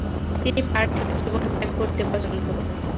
তিনি পার্থিব জীবন ত্যাগ করতে পছন্দ করেন।